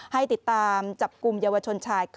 ให้ติดตามจับกลุ่มเยาวชนชาย